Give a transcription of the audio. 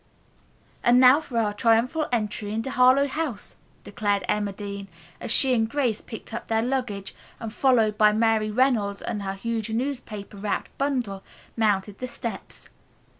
"And now for our triumphal entry into Harlowe House," declaimed Emma Dean, as she and Grace picked up their luggage, and, followed by Mary Reynolds and her huge newspaper wrapped bundle, mounted the steps.